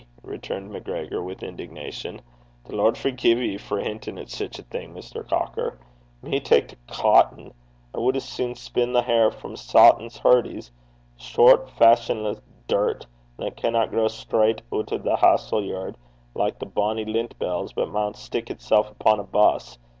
returned MacGregor, with indignation. 'The Lord forgie ye for mintin' (hinting) at sic a thing, Mr. Cocker! Me tak' to coaton! I wad as sune spin the hair frae Sawtan's hurdies. Short fushionless dirt, that canna grow straucht oot o' the halesome yird, like the bonnie lint bells, but maun stick itsel' upo' a buss!